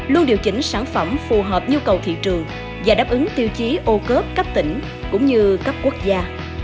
luôn điều chỉnh sản phẩm phù hợp nhu cầu thị trường và đáp ứng tiêu chí ô cốp các tỉnh cũng như các quốc gia